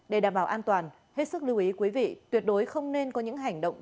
để đảm bảo an toàn hết sức lưu ý quý vị tuyệt đối không nên có những hành động